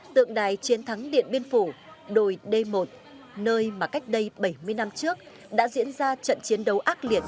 tượng đài chiến thắng điện biên phủ đồi d một nơi mà cách đây bảy mươi năm trước đã diễn ra trận chiến đấu ác liệt